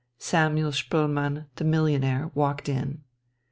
Samuel Spoelmann, the millionaire, walked in.